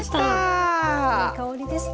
いい香りですね。